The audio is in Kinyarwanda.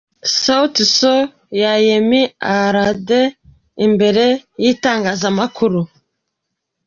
Sauti Sol na Yemi Alade imbere y'itangazamakuru.